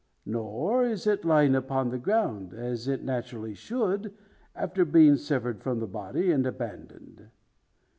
Nor is it lying upon the ground, as it naturally should, after being severed from the body, and abandoned.